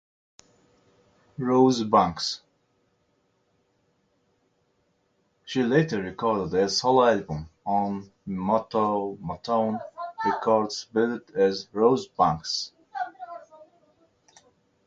She later recorded a solo album on Motown Records, billed as "Rose Banks".